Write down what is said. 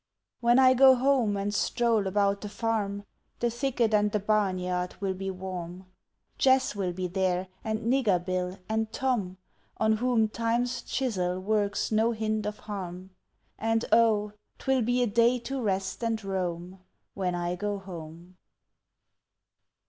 When I go home and stroll about the farm, The thicket and the barnyard will be warm. Jess will be there, and Nigger Bill, and Tom On whom time's chisel works no hint of harm And, oh, 'twill be a day to rest and roam, When I go home!